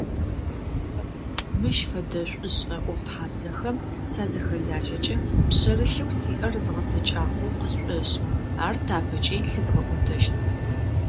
Мыщ фэдэ шӏушӏэ ӏофтхьабзэхэм сазыхэлажьэкӏэ пшъэрылъэу сиӏэр згъэцэкӏагъэу къысшӏошӏы, ар тапэкӏи лъызгъэкӏотэщт.